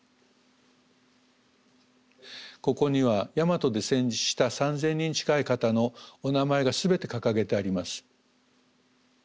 ここには大和で戦死した３，０００人近い方のお名前が全て掲げてあります。